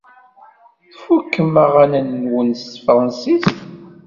Tfukem aɣanen-nwen n tefṛensist?